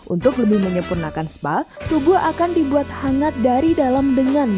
untuk lebih menyempurnakan spa tubuh akan dibuat hangat dari dalam dengan